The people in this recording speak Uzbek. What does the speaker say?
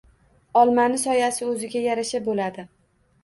Olmani soyasi o‘ziga yarasha bo‘ladi.